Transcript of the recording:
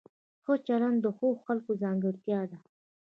ښه چلند د ښو خلکو ځانګړتیا ده.